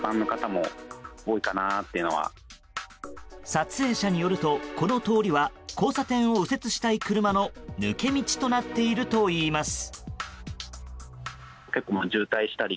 撮影者によると、この通りは交差点を右折したい車の抜け道となっているといいます。